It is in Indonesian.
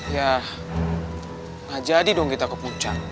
ya gak jadi dong kita ke puncak